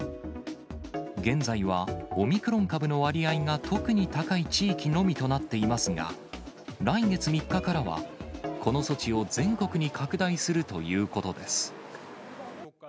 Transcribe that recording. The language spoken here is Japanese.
現在はオミクロン株の割合が特に高い地域のみとなっていますが、来月３日からは、この措置を全国に拡大するということです。